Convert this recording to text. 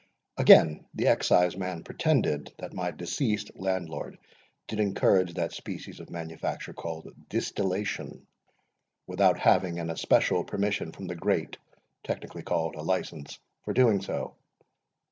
Again, the Exciseman pretended, that my deceased Landlord did encourage that species of manufacture called distillation, without having an especial permission from the Great, technically called a license, for doing so.